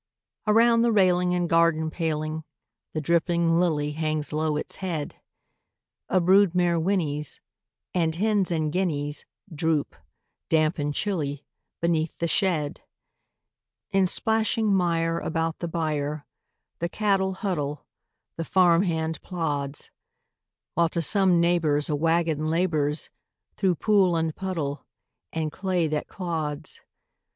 Around the railing and garden paling The dripping lily hangs low its head: A brood mare whinnies; and hens and guineas Droop, damp and chilly, beneath the shed. In splashing mire about the byre The cattle huddle, the farm hand plods; While to some neighbor's a wagon labors Through pool and puddle and clay that clods.